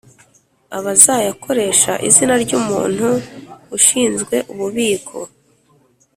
abazayakoresha izina ry umuntu ushinzwe ububiko